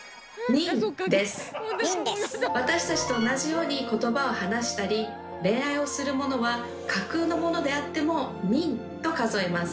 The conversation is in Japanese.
私たちと同じようにことばを話したり恋愛をするものは架空のものであっても「人」と数えます。